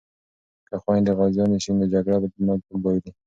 که خویندې غازیانې شي نو جګړه به نه بایلي.